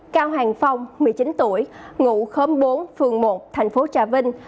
cao hàng phong một mươi chín tuổi ngụ khóm bốn phường một thành phố trà vinh